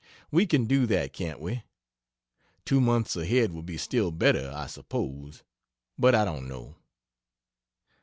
We can do that can't we? Two months ahead would be still better I suppose, but I don't know.